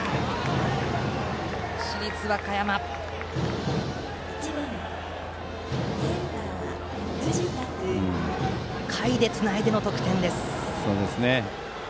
市立和歌山下位でつないでの得点です。